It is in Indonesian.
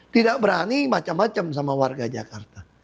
tidak berani macam macam sama warga jakarta